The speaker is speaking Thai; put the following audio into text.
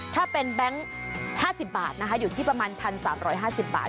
ถ้าเป็นแบงค์๕๐บาทนะคะอยู่ที่ประมาณ๑๓๕๐บาท